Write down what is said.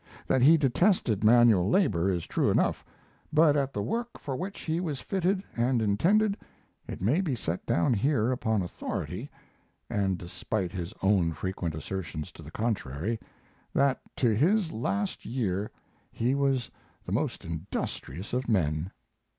That he detested manual labor is true enough, but at the work for which he was fitted and intended it may be set down here upon authority (and despite his own frequent assertions to the contrary) that to his last year he was the most industrious of men.